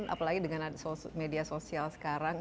apalagi dengan media sosial sekarang